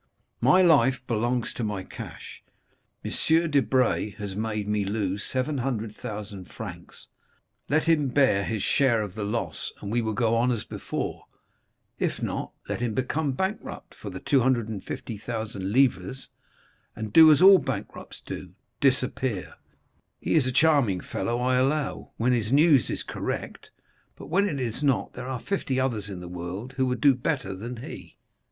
My life belongs to my cash. M. Debray has made me lose 700,000 francs; let him bear his share of the loss, and we will go on as before; if not, let him become bankrupt for the 250,000 livres, and do as all bankrupts do—disappear. He is a charming fellow, I allow, when his news is correct; but when it is not, there are fifty others in the world who would do better than he."